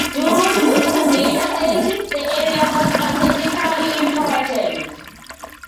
During the Middle Ages, the area was strategically important.